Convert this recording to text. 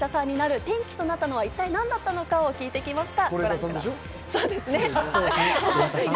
役者さんになる転機となったのは一体何だったのかを聞いてきました。